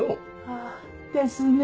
あぁですね。